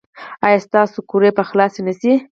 ایا ستاسو ګروي به خلاصه نه شي؟